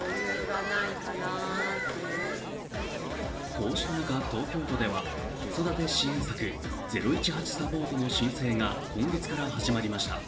こうした中、東京都では子育て支援策０１８サポートの申請が今月から始まりました。